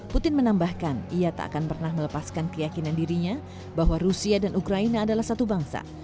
putin menambahkan ia tak akan pernah melepaskan keyakinan dirinya bahwa rusia dan ukraina adalah satu bangsa